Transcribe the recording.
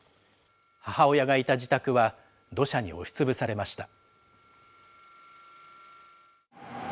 母親がいた自宅は土砂に押しつぶされました。